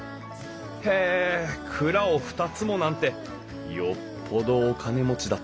へえ蔵を２つもなんてよっぽどお金持ちだったのかな？